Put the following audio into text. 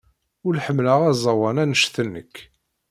Ur ḥemmleɣ aẓawan anect-nnek.